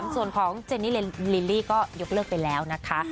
ส่วนของเจนนี่ลิลลี่ก็ยกเลิกไปแล้วนะคะ